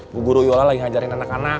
bu guru yola lagi ngajarin anak anak